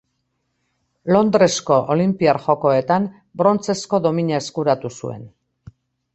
Londresko Olinpiar Jokoetan brontzezko domina eskuratu zuen.